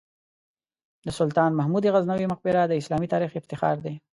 د سلطان محمود غزنوي مقبره د اسلامي تاریخ افتخار دی.